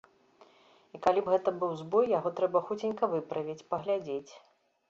І калі б гэта быў збой, яго трэба хуценька выправіць, паглядзець.